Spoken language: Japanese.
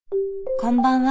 こんばんは。